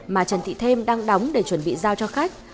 mà trần thị thêm đang đóng để chuẩn bị giao cho khách